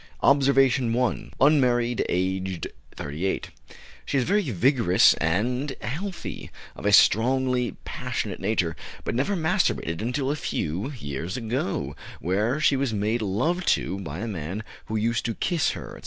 OBSERVATION I. Unmarried, aged 38. She is very vigorous and healthy, of a strongly passionate nature, but never masturbated until a few years ago, when she was made love to by a man who used to kiss her, etc.